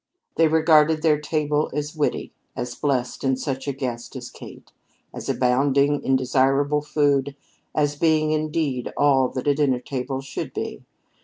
They regarded their table as witty, as blessed in such a guest as Kate, as abounding in desirable food, as being, indeed, all that a dinner table should be.